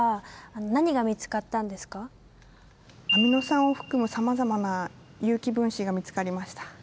アミノ酸を含むさまざまな有機分子が見つかりました。